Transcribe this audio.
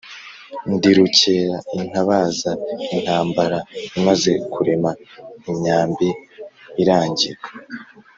Ndi rukera intabaza intambara imaze kurema imyambi irangira,